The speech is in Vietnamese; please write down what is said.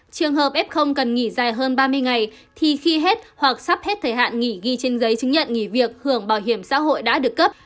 trường hợp f cần nghỉ dài hơn ba mươi ngày thì khi hết hoặc sắp hết thời hạn nghỉ ghi trên giấy chứng nhận nghỉ việc hưởng bảo hiểm xã hội đã được cấp